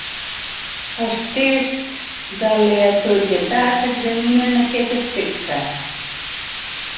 Els tests d'aleatorietat examinen aquest aspecte.